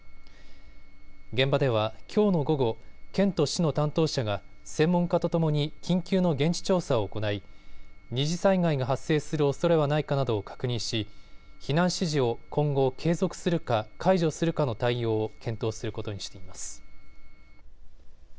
現場ではきょうの午後、県と市の担当者が専門家とともに緊急の現地調査を行い、二次災害が発生するおそれはないかなどを確認し避難指示を今後、継続するか解除するかの対応を検討することにしています。